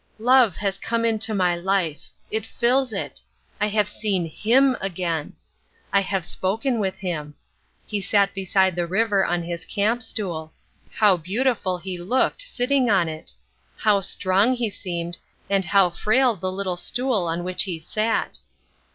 Love has come into my life. It fills it. I have seen HIM again. I have spoken with him. He sat beside the river on his camp stool. How beautiful he looked, sitting on it: how strong he seemed and how frail the little stool on which he sat.